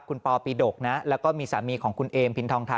คุณปอปีดกนะแล้วก็มีสามีของคุณเอมพินทองทา